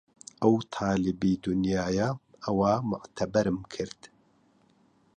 ئەو تالیبی دونیایە ئەوا موعتەبەرم کرد